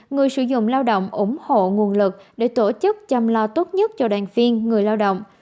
người sử dụng lao động ủng hộ nguồn lực để tổ chức chăm lo tốt nhất cho đoàn viên người lao động